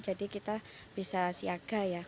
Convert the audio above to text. jadi kita bisa siaga ya